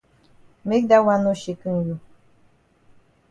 Make dat wan no shaken you.